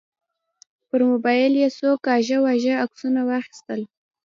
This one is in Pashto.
پر موبایل یې څو کاږه واږه عکسونه واخیستل.